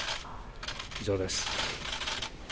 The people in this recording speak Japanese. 以上です。